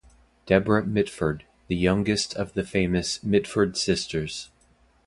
Deborah Mitford, the youngest of the famous Mitford sisters.